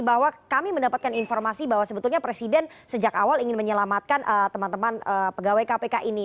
bahwa kami mendapatkan informasi bahwa sebetulnya presiden sejak awal ingin menyelamatkan teman teman pegawai kpk ini